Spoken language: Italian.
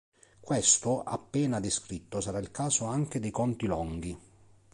Questo appena descritto sarà il caso anche dei conti Longhi.